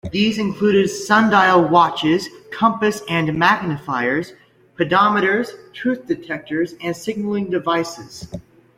These included sundial "watches," compass-and-magnifiers, pedometers, truth detectors, and signaling devices.